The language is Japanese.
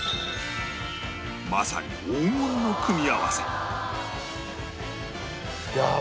まさに黄金の組み合わせ